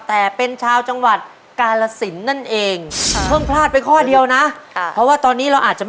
๑แสนบาทนะครับ